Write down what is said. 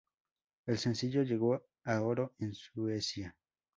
El sencillo llegó a oro en Suecia.